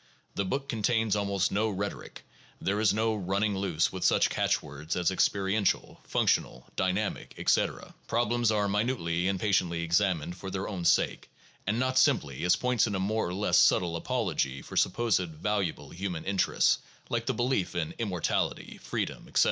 The book contains almost no rhetoric. There is no running loose with such catchwords as experiential, functional, dynamic, etc. Problems are minutely and patiently examined for their own sake, and not simply as points in a more or less subtile apology for supposed valuable human interests, like the belief in immortality, freedom, etc.